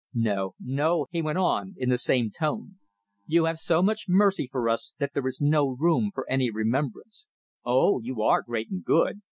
No! No!" he went on, in the same tone, "you have so much mercy for us, that there is no room for any remembrance. Oh, you are great and good!